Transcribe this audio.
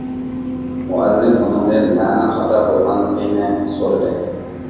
مۇئەللىم ئۇنىڭدىن نەنىڭ خاتا بولغانلىقىنى سورىدى.